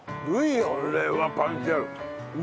これはパンチある。